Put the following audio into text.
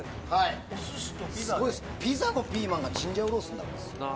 ピザのピーマンがチンジャオロースになるんです。